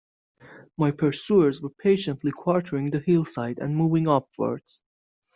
My pursuers were patiently quartering the hillside and moving upwards.